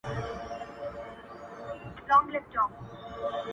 پر زړه چي د هغه د نوم څلور لفظونه ليک دي _